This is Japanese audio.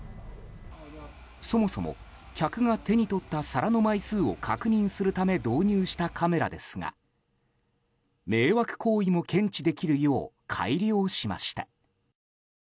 そもそも客が手に取った皿の枚数を確認するため導入したカメラですが迷惑行為も検知できるよう改良しました。